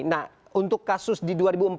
nah untuk kasus di dua ribu empat belas